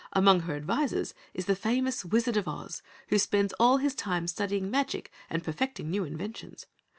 Among her advisors is the famous Wizard of Oz, who spends all his time studying magic and perfecting new inventions.